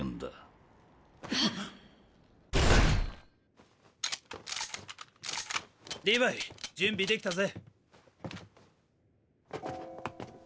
っ⁉リヴァイ準備できたぜ。